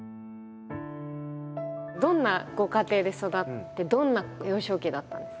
どんなご家庭で育ってどんな幼少期だったんですか？